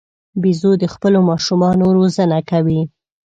بیزو د خپلو ماشومانو روزنه کوي.